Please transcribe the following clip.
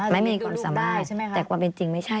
ไม่มีความสามารถดูลูกได้แต่ความจริงไม่ใช่